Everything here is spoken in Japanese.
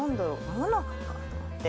もなかかと思って。